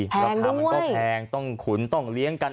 ราคามันก็แพงต้องขุนต้องเลี้ยงกัน